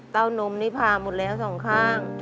นมนี่ผ่าหมดแล้วสองข้าง